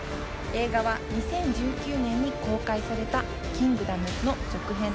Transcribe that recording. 映画は２０１９年に公開された『キングダム』の続編。